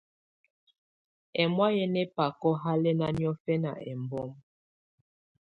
Ɛ́mɔ̀á yɛ́ ná ɛbakɔ̀ halɛna niɔ̀gǝna ɛmbɔma.